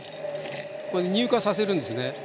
これ乳化させるんですね。